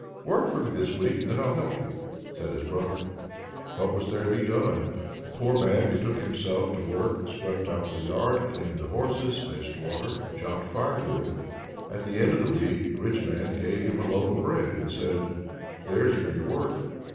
"Work for me this week, then I'll help you," said his brother. What was there to be done! The poor man betook himself to work, swept out the yard, cleaned the horses, fetched water, chopped firewood. At the end of the week the rich man gave him a loaf of bread, and says: "There's for your work!"